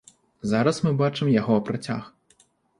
Зараз мы бачым яго працяг.